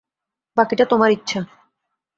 বাকিটা তোমার ইচ্ছা।